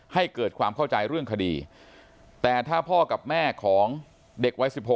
ให้เกิดความเข้าใจเรื่องคดีแต่ถ้าพ่อกับแม่ของเด็กวัย๑๖